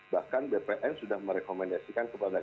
bahkan bpn sudah merekomendasikan kepada